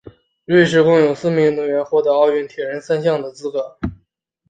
瑞士共有四名运动员获得奥运铁人三项的资格。